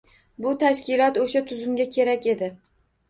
Bu tashkilot o‘sha tuzumga kerak edi.